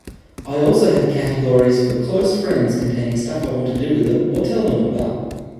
I also have categories for close friends containing stuff I want to do with them or tell them about.